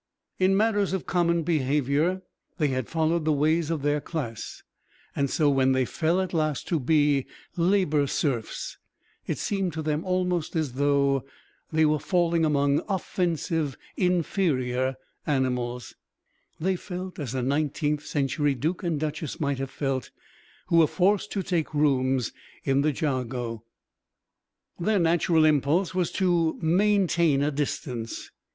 In matters of common behaviour they had followed the ways of their class, and so when they fell at last to be Labour Serfs it seemed to them almost as though they were falling among offensive inferior animals; they felt as a nineteenth century duke and duchess might have felt who were forced to take rooms in the Jago. Their natural impulse was to maintain a "distance."